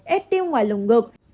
ép tim ngoài lồng ngực